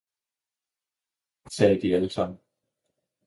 ' sagde de alle sammen.